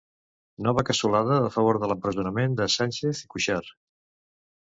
Nova cassolada a favor de l'empresonament de Sánchez i Cuixart.